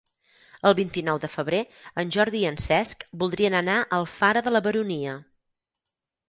El vint-i-nou de febrer en Jordi i en Cesc voldrien anar a Alfara de la Baronia.